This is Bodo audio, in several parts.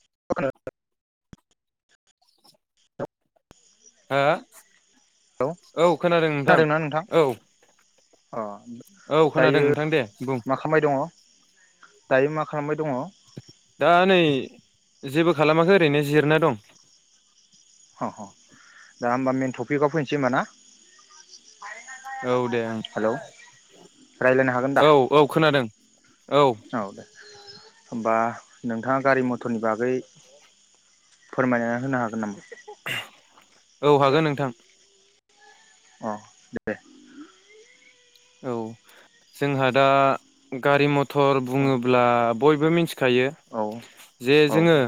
[unintelligible] हा औ खोनादों नोंथां। औ अ औ खोनादों दायो नोंथां दे बुं। मा खालामबाय दङ दायो मा खालामबाय दङ अ दा नै जेबो खालामाखै ओरैनो जिरना दं। अ अ दा ओमबा मेेन टपिकआव फैनोसै ओमबा ना? औ दे ओं, हेलौ रायज्लायनो हागोन दा औ औ खोनादों। औ दे ओमबा नोंथाङा गारि मथ'रनि बागै फोरमायना होनो हागोन नामा? औ हागोन नोंथां। अ दे। औ जोंहा दा गारि मथ थ'र औ बुङोब्ला बयबो मिथि खायो औ जे औ जोङो औ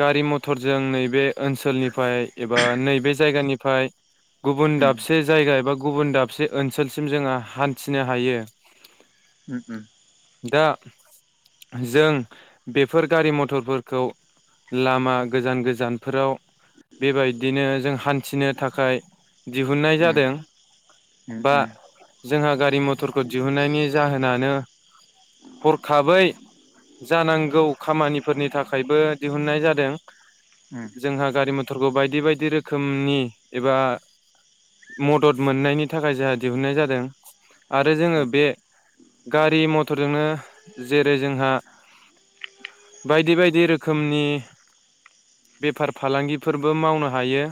गारि मथरजों नैबे ओनसोलनिफ्राय एबा नैबे जायगानि ओमफ्राय गुबुन उम दाबसे जायगा एबा गुबुन दाबसे ओनोल ओनसोलसिम जोङो हान्थिनो हायो उम उम दा जों बेफोर गारि मथरफोरखौ लामा गोजान गोजानफोराव बेबायदिनो जों हान्थिनो थाखाय दिहुननाय उम जादों उम उम जोंहा गारि मथरखौ दिहुननायनि जाहोनानो हरखाबै जानांगौ खामानिफोरनि थाखायबो दिहुननाय जादों उम जोंहा गारि मथरखौ बायदि बायदि बायदि रोखोमनि एबा मदद मोननायनि थाखाय जोंहा दिहुननाय जादों आरो जोङो उम बे गारि मटरजोंनो जेरै जोंहा बायदि बायदि रोखोमनि बेफार फालांगिफोरबो मावनो हायो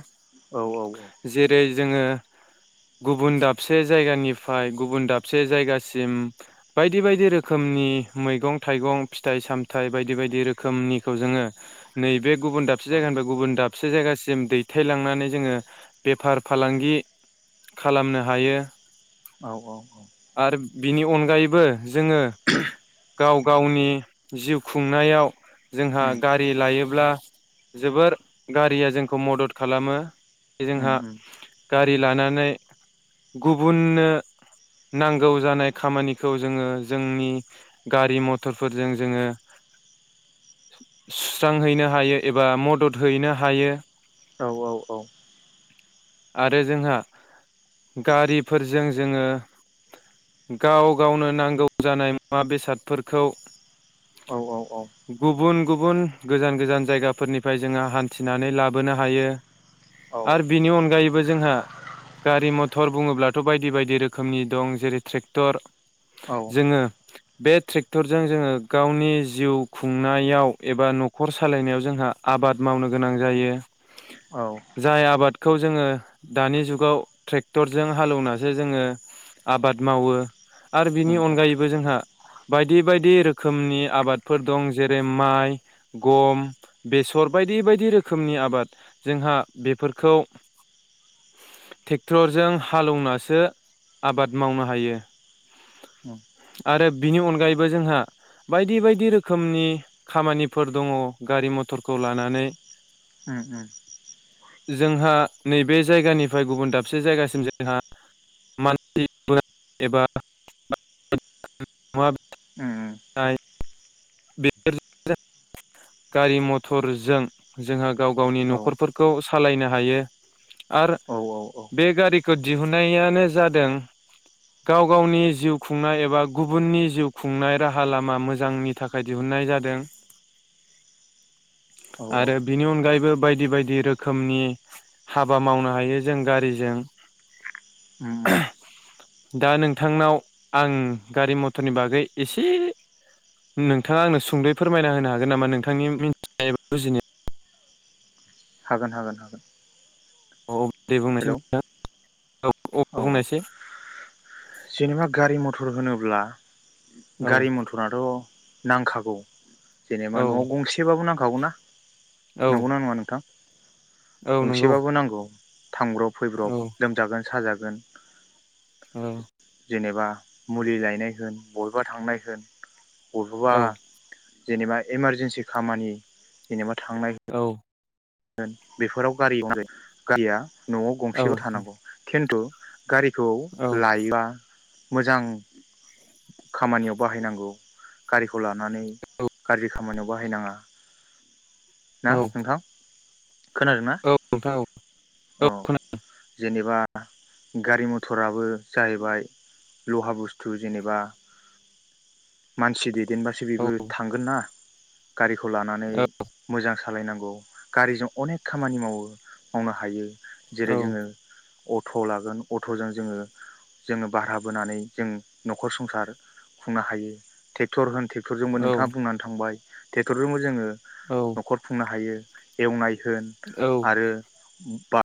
औ औ औ जेरै जोङो गुबुन दाबसे जायगानिफ्राय गुबुन दाबसे जायगासिम बायदि बायदि रोखोमनि मैगं थाइगं फिथाइ सामथायाइ बायदि बायदि रोखोमनिखौ जोङो नैबे गुबुन दाबसे औ जायगानिफ्राय गुबुन दाबसे जायगासिम दैथायलांनानै जोङो बेफार फालांगि खालामनो हायो औ औ आरो बिनि अनगायैबो जोङो गाव गावनि जिउ खुंनायाव जोंहा उम गारि लायोब्ला जोबोर गारिया जोंखौ मदद खालामो उम जोंहा उम गारि लानानै गुबुननो नांगौ जानाय खामानिखौ जोङो जोंनि गारि मथरफोरजों जोङो सुस्रांहैनो हायो एबा मदद हैनो हायो औ औ औ आरो जोंहा गारिफोरजों जोङो गाव गावनो नांगौ जानाय मुवा बेसादफोरखौ औ औ औ गुबुन गुबुन गोजान गोजान जायगाफोरनिफ्राय जोङो हान्थिनानै लाबोनो हायो आरो बिनि अनगायैबो जोंहा गारि मथर बुङोब्लाथ' बायदि बायदि रोखोमनि। दं जेरै ट्रेक्टर औ जोङो बे ट्रेक्टरजों जोङो गावनि जिउ खुंनायाव एबा न'खर सालायनायाव जोंहा आबाद मावनो गोनां जायो औ जाय आबाद खौ जोङो दानि जुगाव ट्रेक्टरजों हालौवनासो जोङो आबाद मावो आरो उम उम बिनि अनगायैबो जोंहा बायदि बायदि रोखोमनि आबादफोर दं जेरै माइ गम बेसर बायदि बायदि रोखोमनि आबाद जोंहा बेफोरखौ ट्रेक्टरजों हालेवनासो आबाद मावनो हायो उम आरे बिनि अनगायैबो जोंहा बायदि बायदि रोखोमनि खामानिफोर दङ गारि मथरखौ लानानै उ उ जोंहा नैबे जायगानिफ्राय गुबुन दाबसे जायगासिम जोंहा मानसिफोर एबा [unintelligible] उ बेफोर जा गारि मथरजों जोंहा गाव गावनि औ नखरफोरखौ सालायनो हायो आर औ औ औ बे गारिखौ दिहुननायानो जा दों गाव गावनि जिउ खुंनाय एबा गुबुननि जिउ खुंनाय राहा लामा मोजांनि थाखाय दिहुननाय जादों। औ आरो बेनि अनगायै बो बायदि बायदि रोखोमनि हाबा मावनो हायो जों गारिजों। उम उम दा नोंथांनाव आं गारि मथरनि बागै एसे नोंथाङा आंनो सुंद'यै फोरमायना होनो हागोन नामा नोंथांनि मिथिनाय एबा बुजिनायाव। हागोन हागोन हागोन। औ दे बुंनायसाय हेलौ नोंथां। औ औ जेनेबा गारि मथ थुर होनोब्ला औ गारि मथराथ' नांखागौ जेनेबा औ नआव गंसेबाबो नां खागौ ना औ नंगौना नङा नोंथां? औ नंगौ गंसेबाबो नांगौ। थांब्रब औ फैब्रब लोमजागोन साजा [unintelligible] औ जेनेबा मुलि लायनाय होन बबेबा थांनाय होन अथ'बा औ जेनेबा इमारजेन्सि खामानि जेनेबा थांनाय बेफोराव गारियाव आरो गारिया न'आव औ गंसेल' थानांगौ खिन्तु [unintelligible] गारिखौ औ लायोबा मोजां खामानियाव बाहायनांगौ। गारिखौ लानानै गाज्रि खामानियाव बाहायनाङा ना नोंथां? खोनादों ना औ नोंथां औ औ अ। खोनादों जेनेबा गारि मथराबो जाहैबाय लहा बुस्थु जेनेबा मानसि ‌ औ [unintelligible] थांगोन ना गारिखौ लानानै मोजां सालायनांगौ गारिजों अनेक खामानि मावो मावनो हायो जेरै औ जोङो अट' लागोन अट'जों जोङो जोङो भारा बोनानै जों न'खर संसार खुंनो हायो ट्रेक्टर होन ट्रेक टरजोंबो नोंथाङा बुंनानै थांबाय ट्रेक्टरजोंबो जोङो औ न'खर खुंनो हायो एवनाय होन औ आरो बा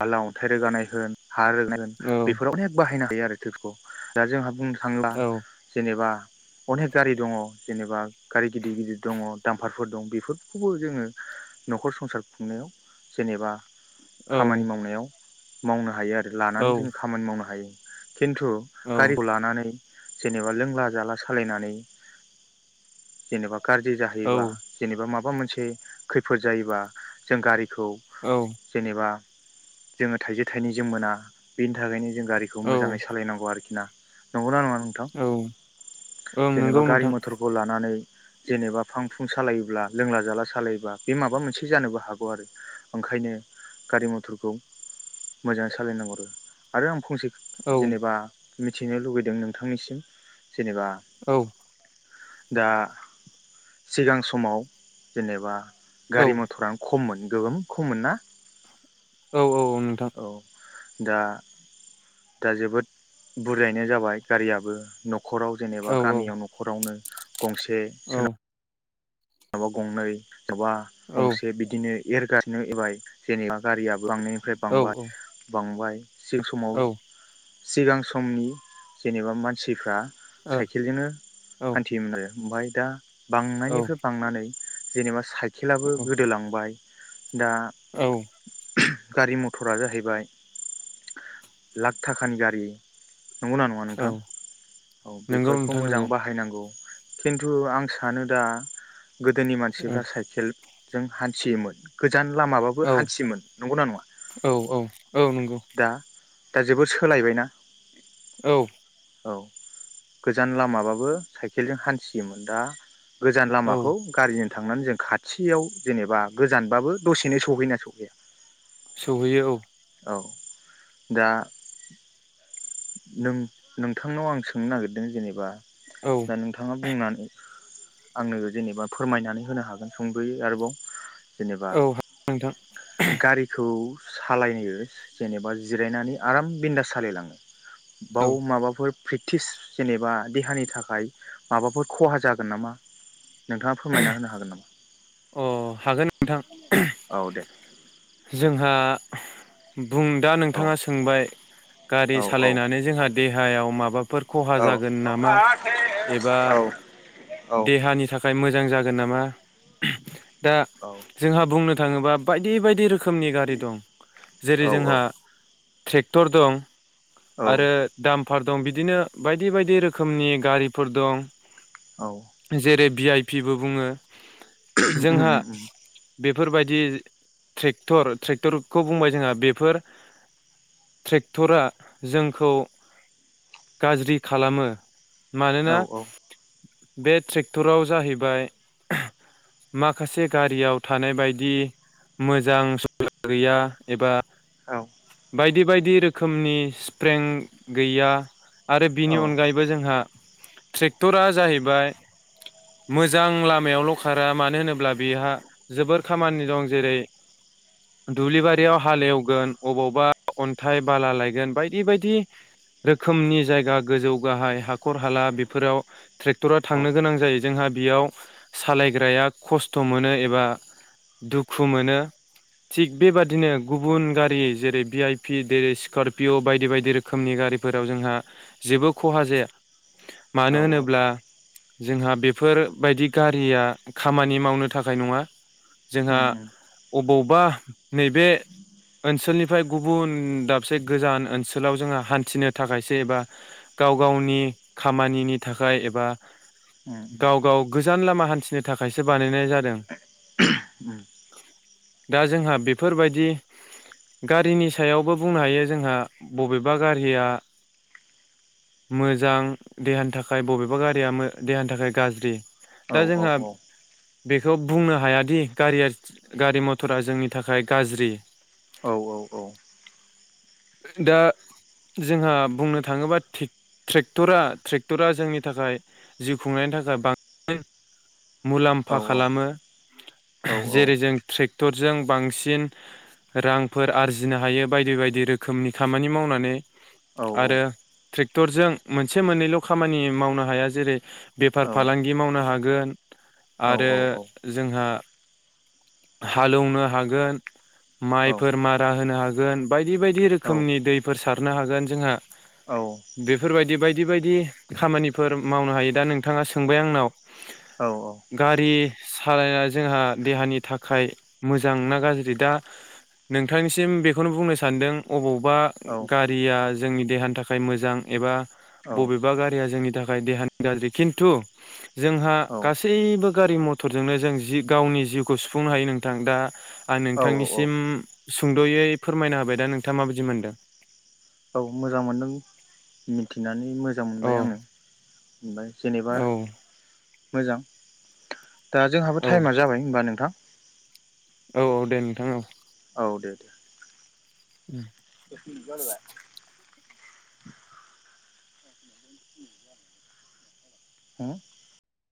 बाला अन्थाइ रोगानाय होन हा रोगानाय बेफोराव अनेक बाहायना हायो आरो [inaudible] दा जोंहा बुंनो थांब्ला जेनेबा अनेख गारि दङ जेनेबा गारि गिदिर गिदिर दङ दामफारफोर दं बेफोरखौबो जोङो न'खर संसार खुंनायाव जेनेबा खामानि मावनायाव मावनो हायो आरो लानानै औ जों खामानि मावनो हायो खिन्थु गारिखौ लानानै जेनेबा लोंला जाला सालायनानै जेनेबा गाज्रि जाहैयोबा जेनेबा माबा मोनसे खैफोद जायोबा जों गारिखौ औ औ जेनेबा जोङो थाइसे थाइनैजों मोना बेनि थाखायनो जों गारिखौ औ मोजाङै सालायनांगौ आरोखि ना नंगौना नङा नोंथां औ ओं नंगौ जेनेबा गारि नोंथां मथरखौ लानानै जेनेबा फां फुं सालायोब्ला लोंला जाला सालायोब्ला बे माबा मोनसे जानोबो हागौ आरो ओंखायनो गारि म थरखौ मोजाङै सालायनांगौ आरो आं फंसे औ जेनेबा मिथिनो लुगैदों नोंथांनिसिम जेनेबा औ दा सिगां समाव जेनेबा औ गारि मथ'रानो खम मोन। गोगोम खममोन ना? औ औ औ नोंथां दा दा जोबोद बुरजायैनाय जाबाय गारियाबो न ख'राव औ जेनेबा औ गामियाव न'खरावनो गंसे औ सो बा गंनै सोरनाबा औ गंसे बिदिनो एरगासिनो एबाय जेनेबा गारिया बांनायनिफ्राय औ ओ बांबाय बांबाय जे समाव सिगां समनि जेनेबा मानसिफ्रा औ साइकेलजोंनो हान्थियोमोन आरो ओमफाय दा बांनायनिफ्राय औ बांनानै जेनेबा साइ खेलाबो गोदोलांबाय दा औ गारि मथ'रा जाहैबाय लाख थाखानि गारि नंगौना नङा औ नोंथां औ नंगौ बेफोरखौ नोंथां मोजां नंगौ बाहायनांगौ। खिन्थु आं सानो दा गोदोनि औ मानसिफ्रा साइकेल जों हान्थियोमोन गोजान लामाबाबो औ हान्थियोमोन नंगौना नङा औ औ नंगौ दा दा जोबोर सोलायबायना औ औ गोजान लामाबाबो साइकेलजों हान्थियोमोन दा गोजान औ लामाखौ गारिजों थांनानै जों खाथियाव जेनेबा गोजानबाबो दसेनो सहैयोना सहैया सौहैयो औ औ दा नों नोंथांनाव आं सोंनो नागिरदों जेनेबा दा नोंथाङा बुंनानै आंनो जेनेबा फोरमायनानै होनो हागोन सुंदयै आरोबाव जेनेबा औ नोंथां गारिखौ सालायहोयो जेनेबा जिरायनानै आराम बिन्दास सालायलाङो। औ बाव माबाफोर प्रेकटिस जेनेबा देहानि थाखाय माबाफोर खहा जागोन नामा नोंथांङा फोरमायना होनो हागोन नामा? अ हागोन। नोंथां औ दे जोंहा बुं दा औ नोंथाङा सोंबाय गारि औ सालायनानै जोंहा देहायाव माबाफोर खहा औ जागोन नामा एबा औ औ देहानि था मोजां जागोन नामा? दा औ औ जोंहा बुंनो थांङोबा बायदि बायदि रो खोमनि गारि दं जेरै औ जोंहा ट्रेक्टर दं। आरो दामफार दं बिदिनो बायदि बायदि रोखोमनि गारिफोर दं। जेरै। भि आइ पिबो बुङो। जोंहा बे फोरबायदि ट्रेक्टर ट्रेक्टरखौ बुंबाय जोंहा बेफोर ट्रेक्टरा जोंखौ गाज्रि खालामो। मानोना बे ट्रेक्ट क्टराव जाहैबाय माखासे गारियाव थानाय बायदि मोजां सुबिदा गैया एबा औ दि बायदि रोखोमनि स्प्रें गैया। आरो बिनि अनगायैबो जोंहा ट्रेक्टरा जाहैबाय मोजां लामायावल' खारा मानो होनोब्ला बेहा जोबोर खामानि दं जेरै दुब्लि बारियाव हालेवगोन अबावबा अन्थाइ बाला लायगोन बायदि बायदि रोखोमनि जायगा गोजौ गाहाय हाखर हाला बेफोराव ट्रेक्टर थांनो गोनां जायो जोंहा बेयाव सालायग्राया खस्थ' मोनो एबा दुखु मोनो थिग बेबादिनो गुबुन गारि जेरै भि आइ पि दो जेरै स्करपिय' बायदि बायदि रोखोमनि गारिफोराव जोंहा जेबो खहा जाया। मानो औ होनोब्ला जोंहा बेफोरबायदि गारिया खामानि मावनो थाखाय नङा जोंहा अबावबा नैबे ओनसोलनि फ्राय गुबुन दाबसे गोजान ओनसोलाव जोङो हान्थिनो थाखायसो एबा गाव गावनि खामानिनि थाखाय एबा गाव गाव गोसो गोजान लामा हान्थिनो थाखायसो बानायनाय जादों दा जोंहा बेफोरबायदि गारिनि सायावबो बुंनो हायो जोंहा बबेबा गारिया मोजां देहानि थाखाय बबेबा गारिया देहानि थाखाय गाज्रि औ दा औ जोंहा औ बेखौ बुंनो हायादि गारिया गारि मटरा जोंनि थाखाय गाज्रि औ औ औ दा जोंहा बुंनो थाङोबा ट्रेक्ट ट्रेक्टरा ट्रेक्टरा जोंनि थाखाय जिउ खुंनायनि थाखाय बां मुलाम्फा खालामो जेरै जों ट्रेक्टरजों बांसिन रांफोर आरजिनो हायो बायदि बायदि रोखोमनि खामानि मावनानै औ औ आरो ट्रेक्टरजों मोनसे मोननैल' खामानि मावनो हाया जेरै बेफार फालांगि मावनो हागोन गोन आरो जोंहा हालेवनो हागोन माइफोर मारा होनो हागोन बायदि बायदि रोखोमनि दैफोर सारनो हागोन जोंहा बेफोरबायदि बायदि बायदि खामानिफोर मावनो हायो दा नोंथाङा सोंबाय आंनाव गारि सालायनाया जोंहा देहानि थाखाय मोजां ना गाज्रि दा नोंथांनिसिम बेखौनो बुंनो सानदों अबाव बा गारिया जोंनि देहानि थाखाय मोजां एबा बबेबा गारिया जोंनि थाखाय देहानि गाज्रि खिन्थु जोंहा गासैबो गारि मथरजोंनो जों जि गावनि जिउखौ सुफुंनो हायो नोंथां दा आं औ औ औ नोंथांनिसिम सुंद'यै फोरमायना होबाय दा नों नोंथाङा माबायदि मोनदों औ मोजां मोनदों मिथिनानै मोजां अ मोनबाय आङो औ ओमफ्राय जेनेबा मोजां दा जोंहाबो औ टाइमा जाबाय होनोमबा नोंथां औ औ दे नोंथां औ औ उ दगबाया हा